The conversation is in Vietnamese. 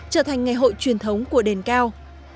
trở thành ngày hội truyền thống của đền cao